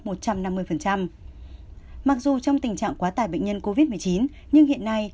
mặc dù trong tình trạng quá tải bệnh nhân covid một mươi chín nhưng hiện nay